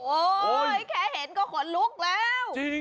โอ้ยแค่เห็นก็หลุกแล้ว